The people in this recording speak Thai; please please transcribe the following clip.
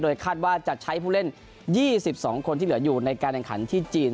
คาดว่าจะใช้ผู้เล่น๒๒คนที่เหลืออยู่ในการแข่งขันที่จีน